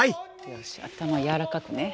よし頭やわらかくね。